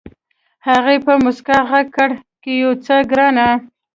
هغې په موسکا غږ کړ کېوځه ګرانه.